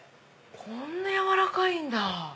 こんな軟らかいんだ。